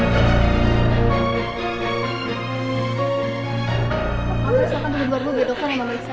mama bisa kan dulu berburu gitu kan sama mbak issa